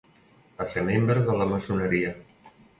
Va ser membre de la maçoneria.